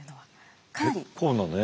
結構なね